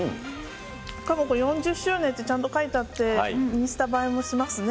しかもこれ４０周年ってちゃんと書いてあって、インスタ映えもしますね。